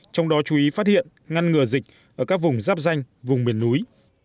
trong đó chú ý phát hiện ngăn ngừa dịch ở các vùng giáp danh vùng miền núi